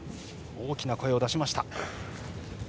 大きな声を出しました。